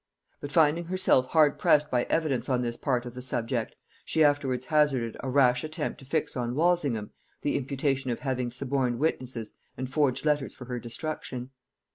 But finding herself hard pressed by evidence on this part of the subject, she afterwards hazarded a rash attempt to fix on Walsingham the imputation of having suborned witnesses and forged letters for her destruction.